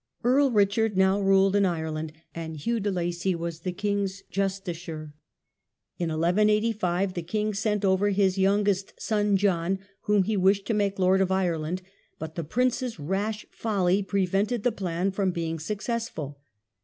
Earl Richard now ruled in Ireland, and Hugh de Lacy was the king's justiciar. In 1 185 the king sent over his youngest son John, whom he wished to make lord of Ireland, but the prince's rash folly prevented the plan from being successful.